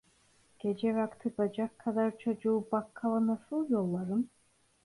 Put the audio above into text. Gece vakti bacak kadar çocuğu bakkala nasıl yollarım?